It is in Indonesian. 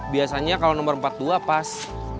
biasanya kalau nomor empat puluh dua pas